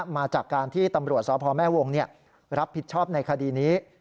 มาจากการที่ตำรวจสพแม่วงรับผิดชอบในคดีนี้